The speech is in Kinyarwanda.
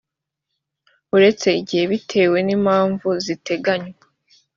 uretse igihe bitewe n impamvu ziteganywa